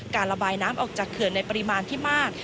ระบายน้ำออกจากเขื่อนในปริมาณที่มาก